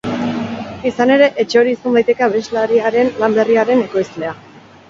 Izan ere, etxe hori izan daiteke abeslariaren lan berriaren ekoizlea.